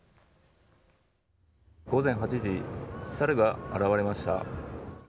午前８時、猿が現れました。